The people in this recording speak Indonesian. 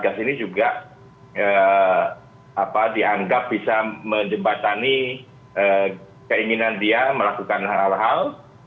satgas ini juga dianggap bisa menjembatani keinginan dia melakukan hal hal